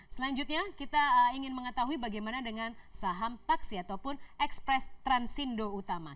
selanjutnya kita ingin mengetahui bagaimana dengan saham taksi ataupun ekspres transindo utama